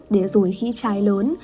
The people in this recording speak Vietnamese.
để rồi khi trái lớn